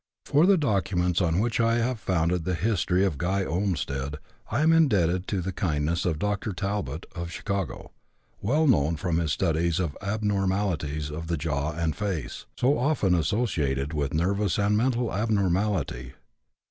For the documents on which I have founded the history of Guy Olmstead I am indebted to the kindness of Dr. Talbot, of Chicago, well known from his studies of abnormalities of the jaws and face, so often associated with nervous and mental abnormality.